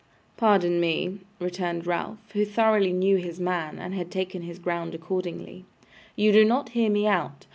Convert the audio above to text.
'Pardon me,' returned Ralph, who thoroughly knew his man, and had taken his ground accordingly; 'you do not hear me out.